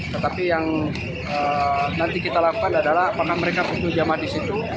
tetapi yang nanti kita lakukan adalah apakah mereka butuh jamaah di situ